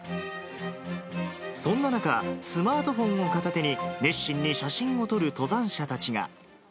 そんな中、スマートフォンを片手に、熱心に写真を撮る登山者たちが。